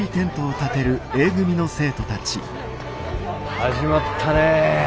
始まったねえ。